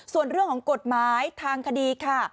ส่วนเรื่องของกฎหมายทางคดีค่ะ